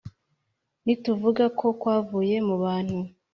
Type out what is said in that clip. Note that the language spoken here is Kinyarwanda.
Nituvuga yuko kwavuye mu bantu